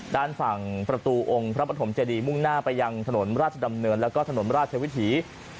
ด้านฝั่งประตูองค์พระปฐมเจดีมุ่งหน้าไปยังถนนราชดำเนินแล้วก็ถนนราชวิถี